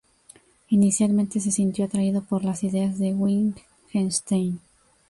Inicialmente se sintió atraído por las ideas de Wittgenstein.